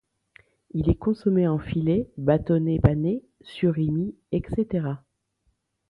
Il est consommé en filets, bâtonnets panés, surimi, etc.